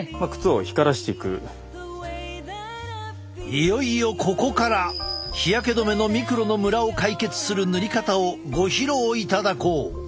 いよいよここから日焼け止めのミクロのムラを解決する塗り方をご披露いただこう！